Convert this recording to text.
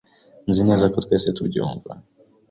Nzi neza ko twese tubyumva.